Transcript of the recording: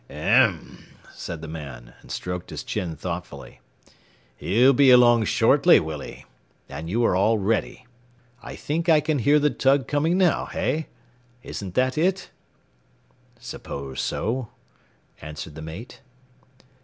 "Em m m," said the man, and stroked his chin thoughtfully. "He'll be along shortly, will he, and you are all ready. I think I can hear the tug coming now, hey? Isn't that it?" "S'pose so," answered the mate.